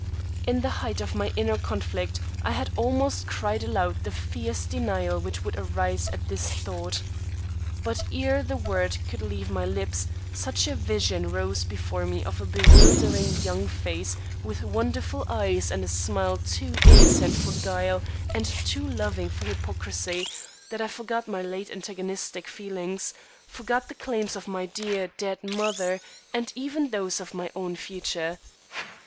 In the height of my inner conflict, I had almost cried aloud the fierce denial which would arise at this thought. But ere the word could leave my lips, such a vision rose before me of a bewildering young face with wonderful eyes and a smile too innocent for guile and too loving for hypocrisy, that I forgot my late antagonistic feelings, forgot the claims of my dear, dead mother, and even those of my own future.